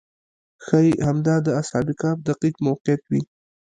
ښایي همدا د اصحاب کهف دقیق موقعیت وي.